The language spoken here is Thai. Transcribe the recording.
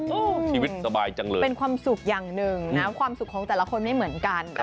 โอ้โหชีวิตสบายจังเลยเป็นความสุขอย่างหนึ่งนะความสุขของแต่ละคนไม่เหมือนกัน